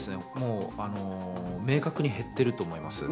明確に減ってると思います。